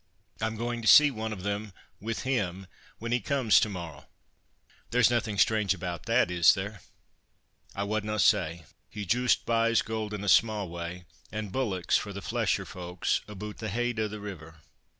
I'm going to see one of them, with him, when he comes to morrow. There's nothing strange about that, is there?" "I wadna say; he joost buys gold in a sma' way, and bullocks, for the flesher folk, aboot the heid o' the river.